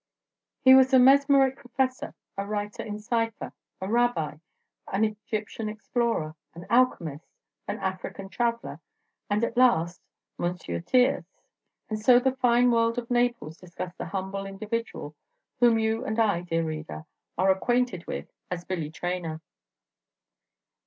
He was a Mesmeric Professor, a Writer in Cipher, a Rabbi, an Egyptian Explorer, an Alchemist, an African Traveller, and, at last, Monsieur Thiers! and so the fine world of Naples discussed the humble individual whom you and I, dear reader, are acquainted with as Billy Traynor.